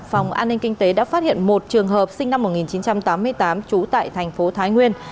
phòng an ninh kinh tế đã phát hiện một trường hợp sinh năm một nghìn chín trăm tám mươi tám trú tại thành phố thái nguyên